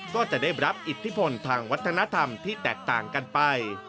ก็จะได้รับอิทธิพลทางวัฒนธรรมที่แตกต่างกันไป